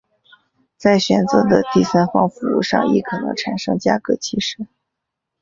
在选择的第三方服务上亦可能产生价格歧视。